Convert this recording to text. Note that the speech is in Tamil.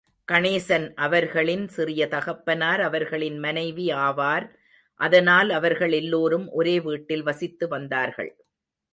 கணேசன் அவர்களின் சிறிய தகப்பனார் அவர்களின் மனைவி ஆவார். அதனால் அவர்கள் எல்லோரும் ஒரே வீட்டில் வசித்து வந்தார்கள்.